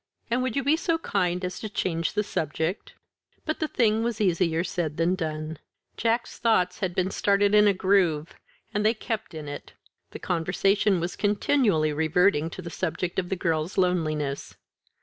And would you be so kind as to change the subject?" But the thing was easier said than done. Jack's thoughts had been started in a groove, and they kept in it; the conversation was continually reverting to the subject of the girls' loneliness.